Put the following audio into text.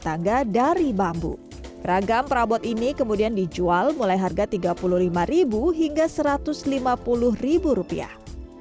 tangga dari bambu ragam perabot ini kemudian dijual mulai harga tiga puluh lima ribu hingga satu ratus lima puluh rupiah